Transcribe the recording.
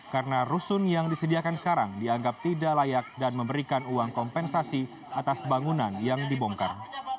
karena rusun yang disediakan sekarang dianggap tidak layak dan memberikan uang kompensasi atas bangunan yang dibongkar